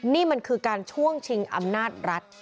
นี่มันคือการช่วงชิงอำนาจรัฐ